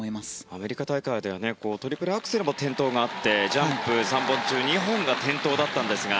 アメリカ大会ではトリプルアクセルも転倒があってジャンプ３本中２本が転倒だったんですが。